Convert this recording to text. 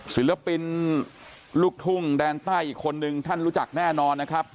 ศิลปินลูกทุ่งแดนใต้อีกคนนึงท่านรู้จักแน่นอนนะครับ